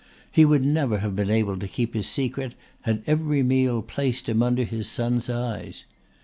He would never have been able to keep his secret had every meal placed him under his son's eyes.